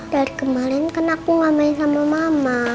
dari kemarin kan aku gak main sama mama